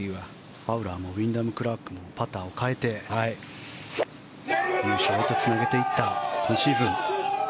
ファウラーもウィンダム・クラークもパターを変えて優勝へとつなげていった今シーズン。